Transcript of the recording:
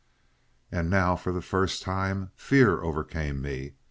"And now, for the first time, fear overcame me.